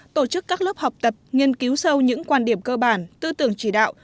tổ chức các lớp học tập nghiên cứu sâu những quan điểm cơ bản tư tưởng chỉ đạo